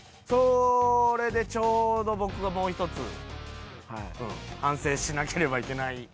それでちょうど僕がもう一つ反省しなければいけない。